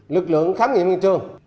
lực lượng khám nghiệm hiện trường